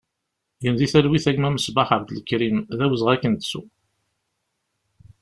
Gen di talwit a gma Mesbaḥ Abdelkrim, d awezɣi ad k-nettu!